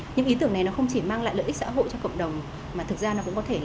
những ý tưởng này nó không chỉ mang lại lợi ích xã hội cho cộng đồng mà thực ra nó cũng có thể là